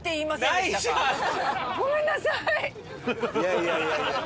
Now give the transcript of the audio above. いやいやいやいや。